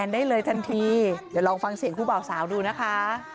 เดี๋ยวลองฟังเสียงครูเบาสาวดูนะคะ